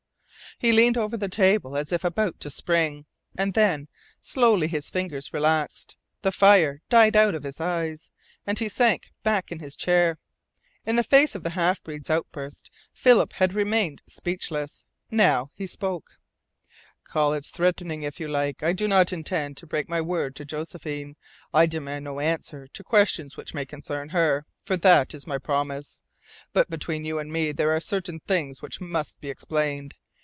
He leaned over the table as if about to spring. And then, slowly, his fingers relaxed, the fire died out of his eyes, and he sank back in his chair. In the face of the half breed's outburst Philip had remained speechless. Now he spoke: "Call it threatening, if you like. I do not intend to break my word to Josephine. I demand no answer to questions which may concern her, for that is my promise. But between you and me there are certain things which must be explained.